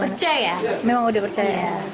percaya memang udah percaya